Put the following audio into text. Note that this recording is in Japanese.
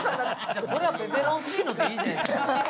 それはペペロンチーノでいいじゃないですか。